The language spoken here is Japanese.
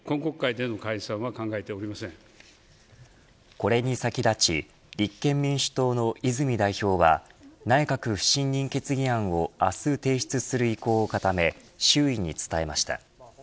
これに先立ち立憲民主党の泉代表は内閣不信任決議案を明日提出する意向を固め周囲に伝えました。